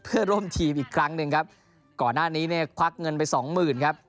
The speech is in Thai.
เพื่อร่วมทีมอีกครั้งหนึ่งครับก่อนหน้านี้เนี่ยควักเงินไปสองหมื่นครับ